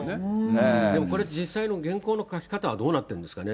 でも、これって実際の原稿の書き方はどうなってるんですかね。